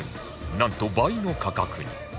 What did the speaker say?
なんと倍の価格に